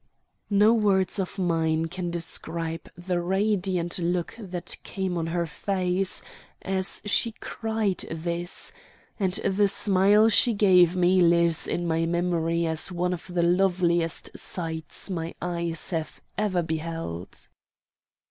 No words of mine can describe the radiant look that came on her face as she cried this; and the smile she gave me lives in my memory as one of the loveliest sights my eyes have ever beheld.